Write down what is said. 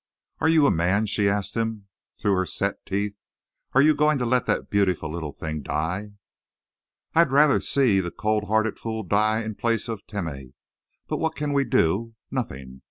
"Are you a man?" she asked him, through her set teeth. "Are you going to let that beautiful little thing die?" "I'd rather see the cold hearted fool die in place of Timeh. But what can we do? Nothing.